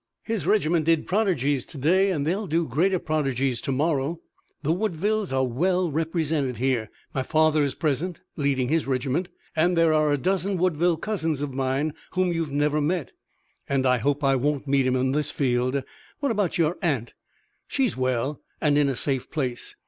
His regiment did prodigies to day and they'll do greater prodigies to morrow. The Woodvilles are well represented here. My father is present, leading his regiment, and there are a dozen Woodville cousins of mine whom you've never met." "And I hope I won't meet 'em on this field. What about your aunt?" "She's well, and in a safe place."